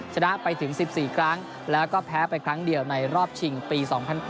ชนะไปถึง๑๔ครั้งแล้วก็แพ้ไปครั้งเดียวในรอบชิงปี๒๐๐๘